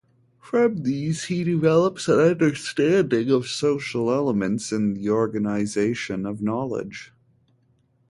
From these he develops an understanding of social elements in the organisation of knowledge.